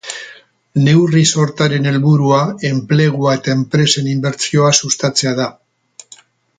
Neurri-sortaren helburua enplegua eta enpresen inbertsioa sustatzea da.